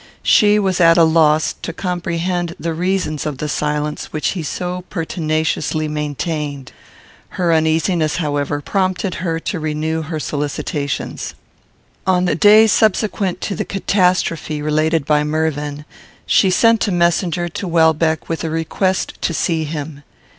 She was at a loss to comprehend the reasons of the silence which he so pertinaciously maintained. Her uneasiness, however, prompted her to renew her solicitations. On the day subsequent to the catastrophe related by Mervyn, she sent a messenger to Welbeck, with a request to see him.